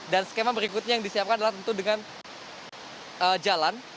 dan skema berikutnya yang disiapkan adalah tentu dengan jalan